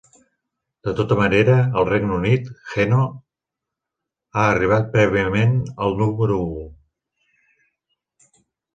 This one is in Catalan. De tota manera, al Regne Unit, "Geno" ha arribat prèviament al número u.